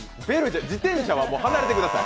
自転車は離れてください